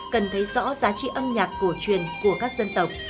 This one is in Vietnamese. cần thấy rõ giá trị âm nhạc cổ truyền của các dân tộc